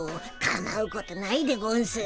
「かまうことないでゴンス」。